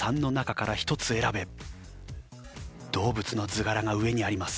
動物の図柄が上にあります。